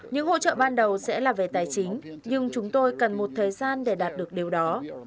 những hỗ trợ ban đầu sẽ là về tài chính nhưng chúng tôi cần một thời gian để đạt được điều đó